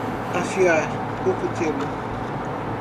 Afiar o cutelo